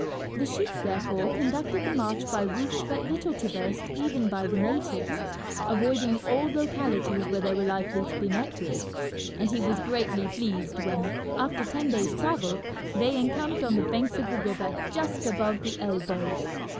The sheik therefore conducted the march by routes but little traversed even by the natives, avoiding all localities where they were likely to be met with, and he was greatly pleased when, after ten days' travel, they encamped on the banks of the river just above the elbow.